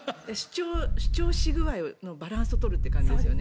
主張し具合のバランスを取るということですよね。